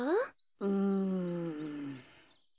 うん。